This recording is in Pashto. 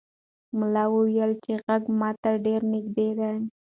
ملا وویل چې غږ ماته ډېر نږدې دی.